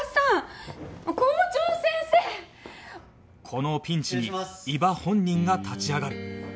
このピンチに伊庭本人が立ち上がる